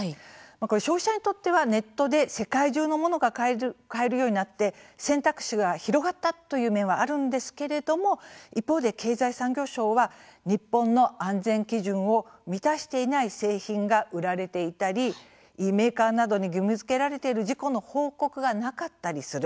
消費者にとってはネットで世界中のものが買えるようになって選択肢が広がったという面は、あるんですけれども一方で経済産業省は日本の安全基準を満たしていない製品が売られていたりメーカーなどに義務づけられている事故の報告がなかったりする。